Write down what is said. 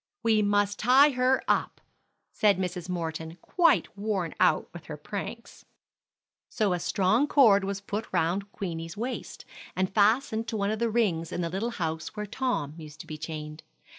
"We must tie her up," said Mrs. Morton, quite worn out with her pranks. So a strong cord was put round Queenie's waist, and fastened to one of the rings in the little house where Tom used to be chained.